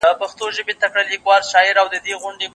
باغ وي لاښ ګلونه وچ وي نه نرګس وي نه سنبل وي